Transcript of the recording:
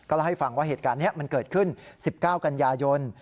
เล่าให้ฟังว่าเหตุการณ์นี้มันเกิดขึ้น๑๙กันยายน